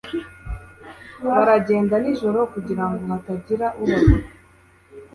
Baragenda nijoro kugirango hatagira ubabona.